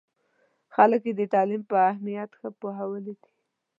خلک یې د تعلیم په اهمیت ښه پوهولي دي.